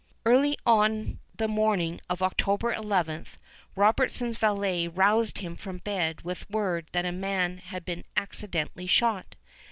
Early on the morning of October the 11th, Robertson's valet roused him from bed with word that a man had been accidentally shot.